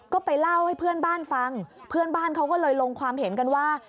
ก็ไปเล่าให้เพื่อนบ้านฟังเพื่อนบ้านเขาก็เลยลงความเห็นกันว่า